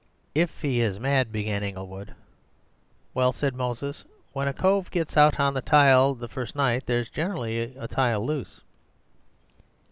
"If he is mad," began Inglewood. "Well," said Moses, "when a cove gets out on the tile the first night there's generally a tile loose."